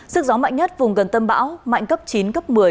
sức gió mạnh nhất vùng gần tâm bão mạnh cấp chín cấp một mươi